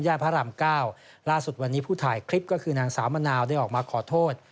พระรามเก้าล่าสุดวันนี้ผู้ถ่ายคลิปก็คือนางสาวมะนาวได้ออกมาขอโทษ